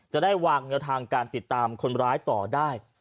จะได้วางแนวทางการติดตามคนร้ายต่อได้